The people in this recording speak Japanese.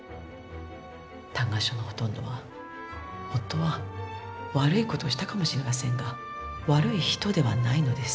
嘆願書のほとんどは「夫は悪いことをしたかもしれませんが悪い人ではないのです。